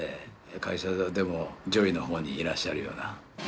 会社でも上位の方にいらっしゃるような。